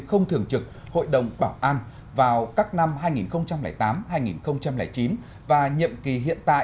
không thường trực hội đồng bảo an vào các năm hai nghìn tám hai nghìn chín và nhiệm kỳ hiện tại